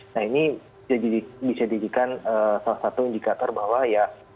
nah ini bisa dijadikan salah satu indikator bahwa ya